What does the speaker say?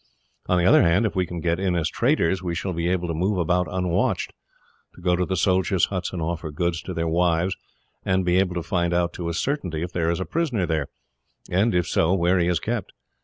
On the other hand, if we can get in as traders we shall be able to move about unwatched to go to the soldiers' huts and offer goods to their wives, and be able to find out, to a certainty, if there is a prisoner there, and, if so, where he is kept.